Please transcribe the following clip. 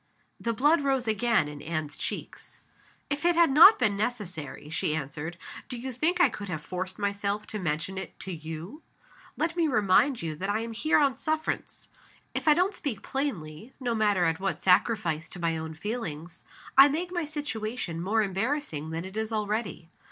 The blood rose again in Anne's cheeks. "If it had not been necessary," she answered, "do you think I could have forced myself to mention it to you? Let me remind you that I am here on sufferance. If I don't speak plainly (no matter at what sacrifice to my own feelings), I make my situation more embarrassing than it is already.